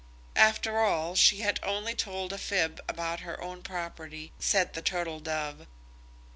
"After all, she has only told a fib about her own property," said the Turtle Dove.